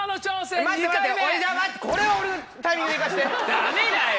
ダメだよ